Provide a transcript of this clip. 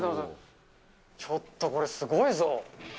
ちょっとこれ、すごいぞ。